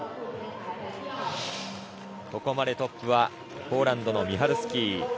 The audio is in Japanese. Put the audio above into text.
ここまでトップはポーランドのミハルスキー。